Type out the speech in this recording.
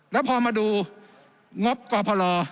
แล้วพอมาดูงบกพล